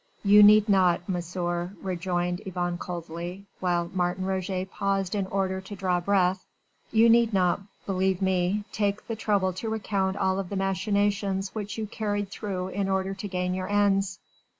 "You need not, Monsieur," rejoined Yvonne coldly, while Martin Roget paused in order to draw breath, "you need not, believe me, take the trouble to recount all the machinations which you carried through in order to gain your ends.